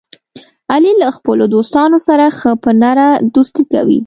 علي له خپلو دوستانو سره ښه په نره دوستي کوي.